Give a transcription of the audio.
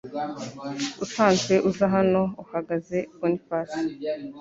Usanzwe uza hano uhagaze Boniface